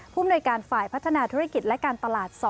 ภูมิหน่วยการฝ่ายพัฒนาธุรกิจและการตลาด๒